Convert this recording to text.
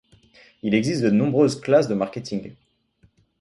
Il existe de nombreuses classes de marketing.